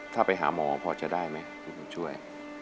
ถ้าไปหาหมอพอจะได้ไหมคุณบุญช่วย